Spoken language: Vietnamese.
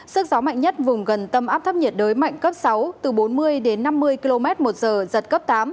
sức gió mạnh nhất vùng gần tâm áp thấp nhiệt đới mạnh cấp sáu từ bốn mươi đến năm mươi km một giờ giật cấp tám